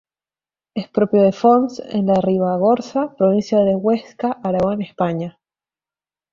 Es propio de Fonz, en la Ribagorza, provincia de Huesca, Aragón, España.